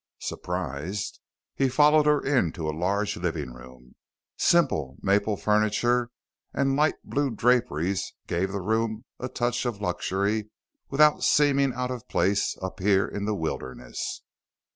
Surprised, he followed her into a large living room. Simple maple furniture and light blue draperies gave the room a touch of luxury without seeming out of place up here in the wilderness.